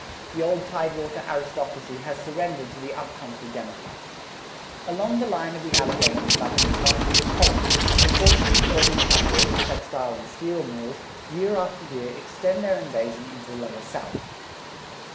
The old tidewater aristocracy has surrendered to the up country democrats. Along the line of the Alleghanies like an advancing column, the forces of Northern capital, textile and steel mills, year after year extend their invasion into the lower South.